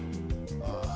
ああ。